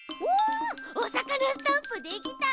おおさかなスタンプできた！